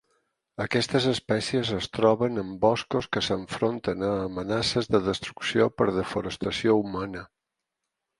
Aquestes espècies es troben en boscos que s'enfronten a amenaces de destrucció per desforestació humana.